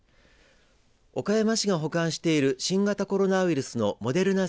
岡山市が保管している新型コロナウイルスのモデルナ